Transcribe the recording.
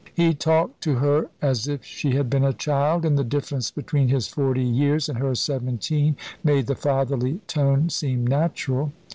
He talked to her as if she had been a child; and the difference between his forty years and her seventeen made the fatherly tone seem natural.